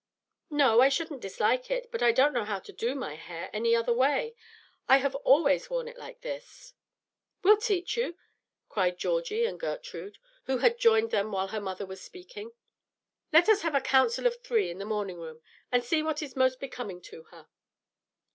"No, I shouldn't dislike it, but I don't know how to do my hair in any other way. I have always worn it like this." "We'll teach you," cried Georgie and Gertrude, who had joined them while her mother was speaking. "Let us have a 'Council of Three' in the morning room, and see what is most becoming to her."